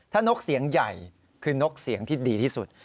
ถ้านกเสียงใหญ่คือนกเสียงที่ดีที่สุด